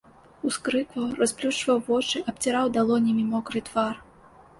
Ускрыкваў, расплюшчваў вочы, абціраў далонямі мокры твар.